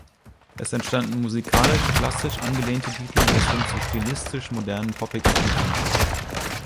Es entstanden musikalisch klassisch angelehnte Titel bis hin zu stilistisch modernen poppigen Titeln.